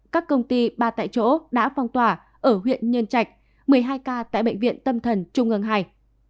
các công ty ba tại chỗ đã phong tỏa ở huyện nhân trạch một mươi hai ca tại bệnh viện tâm thần trung ương ii